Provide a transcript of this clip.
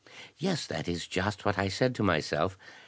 "Yes, that is just what I said to myself."